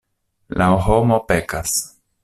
La homo pekas.